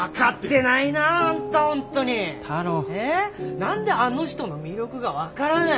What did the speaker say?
何であの人の魅力が分からない。